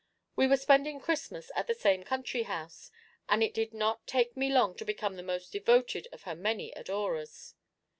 We were spending Christmas at the same country house, and it did not take me long to become the most devoted of her many adorers.